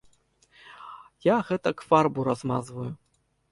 Я гэтак фарбу размазваю.